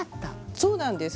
そうなんです。